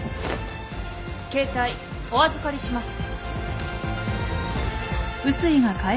携帯お預かりします。